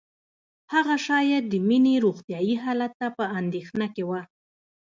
هغه شاید د مينې روغتیايي حالت ته په اندېښنه کې وه